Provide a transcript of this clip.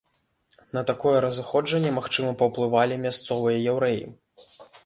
На такое разыходжанне, магчыма, паўплывалі мясцовыя яўрэі.